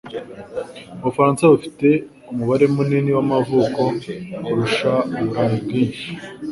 Ubufaransa bufite umubare munini w’amavuko kurusha Uburayi bwinshi.